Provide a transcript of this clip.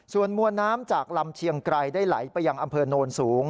ส่วนมวลน้ำจากลำเชียงไกรได้ไหลไปยังอำเภอโนนสูง